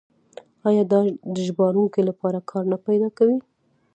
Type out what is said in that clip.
آیا دا د ژباړونکو لپاره کار نه پیدا کوي؟